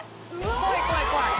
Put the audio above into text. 怖い怖い怖い。